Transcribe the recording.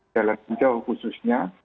dalam jauh khususnya